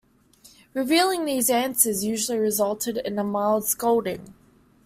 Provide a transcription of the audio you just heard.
Revealing these answers usually resulted in a mild scolding.